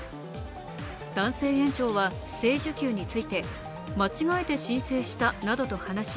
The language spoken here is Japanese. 男性園長は不正受給について間違えて申請したなどと話し、